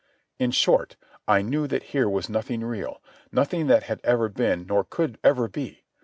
In short, I knew that here was nothing real, nothing that had ever been nor could ever be.